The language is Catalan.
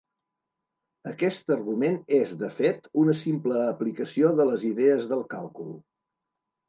Aquest argument és, de fet, una simple aplicació de les idees del càlcul.